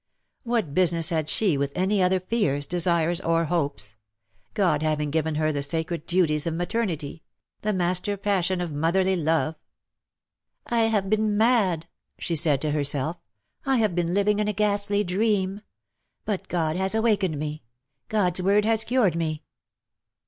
What business had she with any other fears, desires, or hopes — God having given her the WITH A PALE YET STEADY YACE." 275 sacred duties of maternity — the master passion of motherly love ? "I have been mad!" she said to herself; ''^ I have been living in a ghastly dream : but God has awakened me — God^s word has cured m.e."